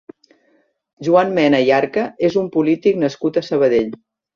Joan Mena i Arca és un polític nascut a Sabadell.